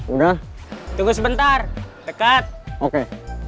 udah tunggu sebentar dekat oke